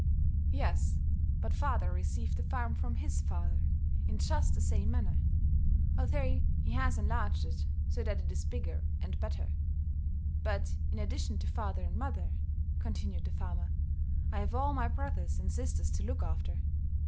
"Yes, but father received the farm from his father, in just the same manner; although he has enlarged it, so that it is bigger and better. But, in addition to father and mother," continued the farmer, "I have all my brothers and sisters to look after.